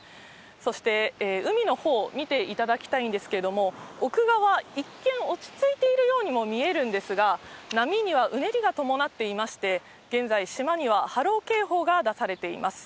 そして、海のほう見ていただきたいんですけれども、奥側、一見落ち着いているようにも見えるんですが、波にはうねりが伴っていまして、現在、島には波浪警報が出されています。